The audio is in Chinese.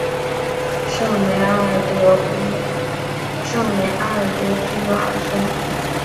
圣梅阿尔德居尔松。